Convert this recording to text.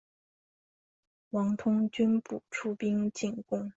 王通均不出兵进攻。